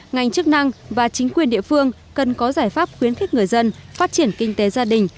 ngành chức năng và chính quyền địa phương cần có giải pháp khuyến khích người dân phát triển kinh tế gia đình